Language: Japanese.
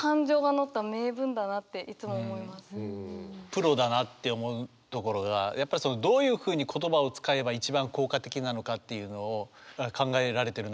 プロだなって思うところがやっぱりどういうふうに言葉を使えば一番効果的なのかっていうのを考えられてるなというやっぱ「刺す」